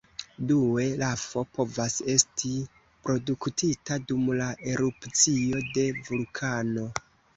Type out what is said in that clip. Due, lafo povas esti produktita dum la erupcio de vulkano.